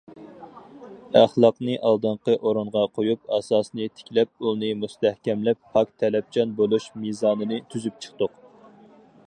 ئەخلاقنى ئالدىنقى ئورۇنغا قويۇپ، ئاساسنى تىكلەپ، ئۇلنى مۇستەھكەملەپ، پاك- تەلەپچان بولۇش مىزانىنى تۈزۈپ چىقتۇق.